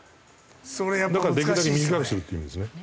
だからできるだけ短くするっていう意味ですね。